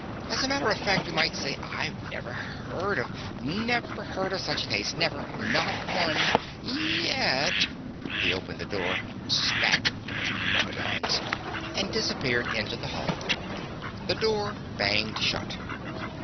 As a matter of fact, you might say, I've never heard of never heard of such a case. Never. Not one. Yet ..." He opened the door, spat: "Myrmidons!" and disappeared into the hallway. The door banged shut.